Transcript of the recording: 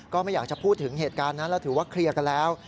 ก็ไม่อยากจะพูดถึงเหตุการณ์นั้นแล้วถือว่าเคลียร์กันแล้ว